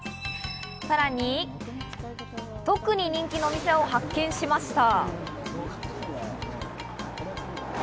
さらに特に人気のお店を発見しました。